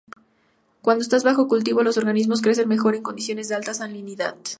Cuando están bajo cultivo, los organismos crecen mejor en condiciones de alta salinidad.